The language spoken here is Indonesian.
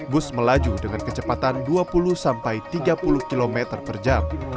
bus melaju dengan kecepatan dua puluh sampai tiga puluh km per jam